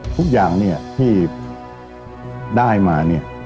ทุกอย่างที่ได้มา